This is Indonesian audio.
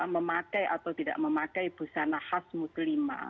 memakai atau tidak memakai busana khas muslimah